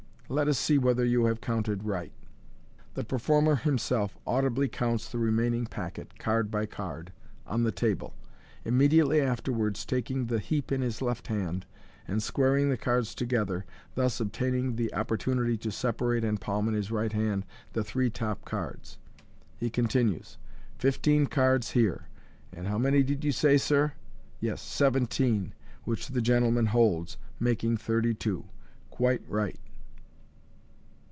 Let us see whether you have counted right." The performer himself audibly counts the remaining packet, card by card, on the table j immediately afterwards taking the heap in his left hand, and squaring the cards together, thus obtaining the opportunity to separate and palm in his right hand the three top cards. He continues, " Fifteen cards here — and — how many did you gay, sir ?— yes, seventeen, which the gentleman holds, make thirty two. Quite right.